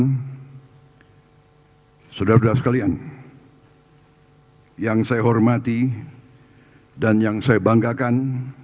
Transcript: dan saudara saudara sekalian yang saya hormati dan yang saya banggakan